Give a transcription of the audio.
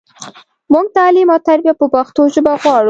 مونږ تعلیم او تربیه په پښتو ژبه غواړو